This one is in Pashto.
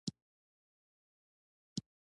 اوبزین معدنونه د افغانستان د طبیعي زیرمو برخه ده.